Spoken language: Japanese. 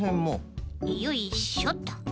よいしょと。